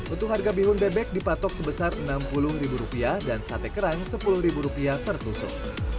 untuk harga bihun bebek dipatok sebesar enam puluh rupiah dan sate kerang sepuluh rupiah per tusuk